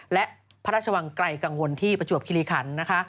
และพระราชวังไกลกังวลที่ประจวบคิริขัน